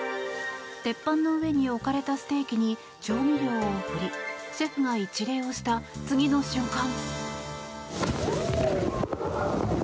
鉄板の上に置かれたステーキに調味料を振りシェフが一礼をした次の瞬間。